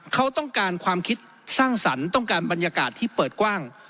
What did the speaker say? เขาต้องการความคิดสร้างสรรค์ต้องการบรรยากาศที่เปิดกว้าง